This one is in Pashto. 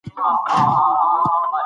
د خپلسرې بیاکتنې اجازه نشته.